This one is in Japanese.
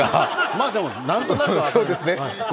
まあでもなんとなくは。